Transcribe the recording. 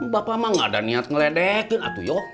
bapak mah gak ada niat ngeledekin atuh yoh